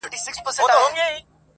لا ترڅو به وچ په ښاخ پوري ټالېږم!!